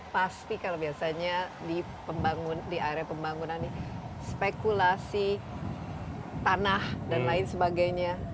pasti kalau biasanya di area pembangunan ini spekulasi tanah dan lain sebagainya